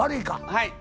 はい。